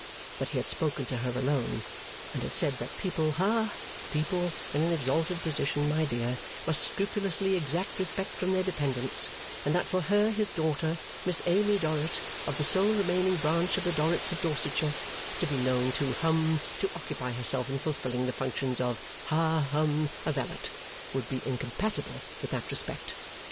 But he had spoken to her alone, and had said that people ha people in an exalted position, my dear, must scrupulously exact respect from their dependents; and that for her, his daughter, Miss Amy Dorrit, of the sole remaining branch of the Dorrits of Dorsetshire, to be known to hum to occupy herself in fulfilling the functions of ha hum a valet, would be incompatible with that respect.